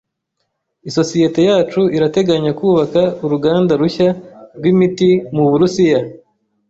Isosiyete yacu irateganya kubaka uruganda rushya rw’imiti mu Burusiya.